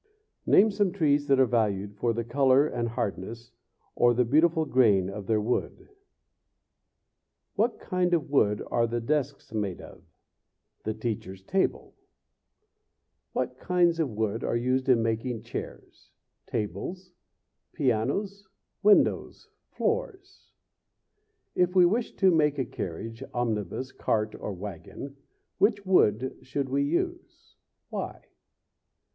Name some trees that are valued for the color and hardness, or the beautiful grain, of their wood. What kind of wood are the desks made of? The teacher's table? What kinds of wood are used in making chairs? tables? pianos? windows? floors? If we wish to make a carriage, omnibus, cart, or wagon, which wood should we use? Why?